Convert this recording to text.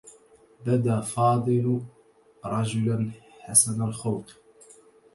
بدى فاضل رجلا حسن الخلق.